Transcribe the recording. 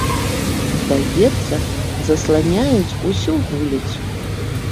Здаецца, засланяюць усю вуліцу.